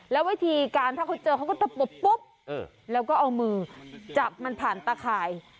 แล้ววิธีการถ้าเขาเจอเขาก็ตะปบปุ๊บแล้วก็เอามือจับมันผ่านตะข่าย